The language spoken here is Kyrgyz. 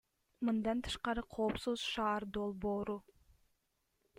Мындан тышкары, Коопсуз шаар долбоору.